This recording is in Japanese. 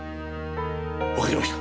わかりました！